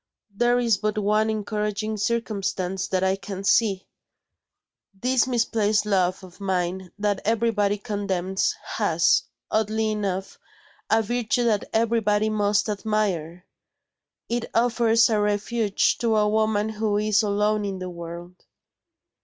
There is but one encouraging circumstance that I can see. This misplaced love of mine that everybody condemns has, oddly enough, a virtue that everybody must admire. It offers a refuge to a woman who is alone in the world."